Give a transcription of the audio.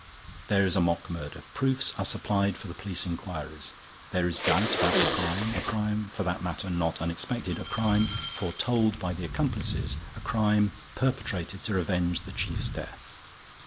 There is a mock murder: proofs are supplied for the police inquiries. There is doubt about the crime, a crime, for that matter, not unexpected, a crime foretold by the accomplices, a crime perpetrated to revenge the chief's death.